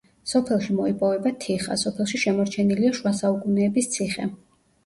სოფელში მოიპოვება თიხა, სოფელში შემორჩენილია შუა საუკუნეების ციხე.